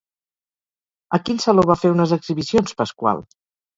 A quin saló va fer unes exhibicions Pascual?